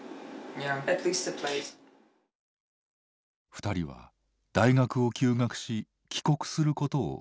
２人は大学を休学し帰国することを決断。